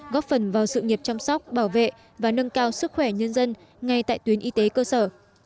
góp phần vào sự nghiệp chăm sóc bảo vệ và nâng cao sức khỏe nhân dân ngay tại tuyến y tế cơ sở